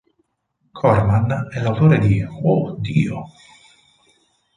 Corman è l'autore di Oh, Dio!